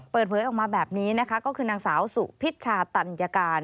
เปิดเผยออกมาแบบนี้นะคะก็คือนางสาวสุพิชชาตัญการ